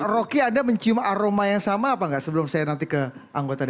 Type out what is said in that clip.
rocky anda mencium aroma yang sama apa nggak sebelum saya nanti ke anggota dpr